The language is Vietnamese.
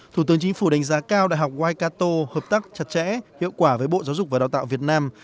thủ tướng chính phủ đánh giá cao đại học wikato hợp tác chặt chẽ hiệu quả với bộ giáo dục và đào tạo việt nam